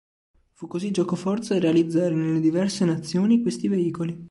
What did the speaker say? Fu così giocoforza realizzare nelle diverse nazioni questi veicoli.